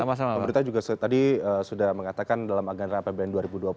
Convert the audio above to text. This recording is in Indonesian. pemerintah juga tadi sudah mengatakan dalam agenda apbn dua ribu dua puluh